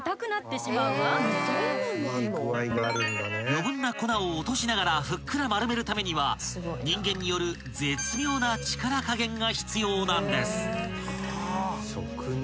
［余分な粉を落としながらふっくら丸めるためには人間による絶妙な力加減が必要なんです］